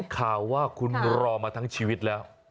ข่าวว่าคุณรอมาทั้งชีวิตแล้ว